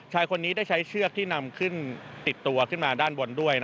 ชายคนนี้ได้ใช้เชือกที่นำขึ้นติดตัวขึ้นมาด้านบนด้วย